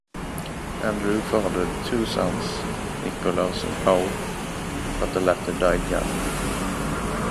Andrew fathered two sons, Nicholas and Paul, but the latter died young.